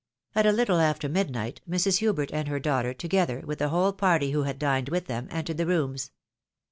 At a little after midnight, Mrs. Hubert and her daughter, toge ther with the whole party who had dined with them, entered the rooms.